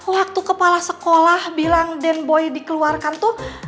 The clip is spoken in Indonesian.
waktu kepala sekolah bilang den boy dikeluarkan tuh